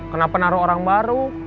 kenapa naruh orang baru